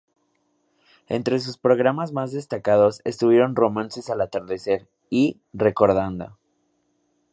Entre sus programas más destacados estuvieron "Romances al atardecer" y "Recordando".